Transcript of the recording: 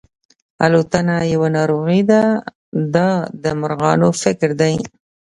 الوتنه یوه ناروغي ده دا د مرغانو فکر دی.